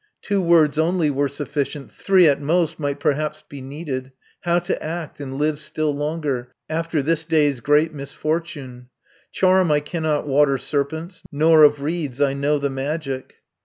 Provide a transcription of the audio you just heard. Two words only were sufficient, Three at most might perhaps be needed, 420 How to act, and live still longer, After this day's great misfortune. Charm I cannot water serpents, Nor of reeds I know the magic.